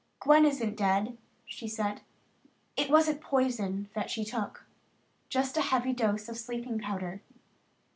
"Gwen isn't dead," she said. "It wasn't poison that she took. Just a heavy dose of sleeping powder.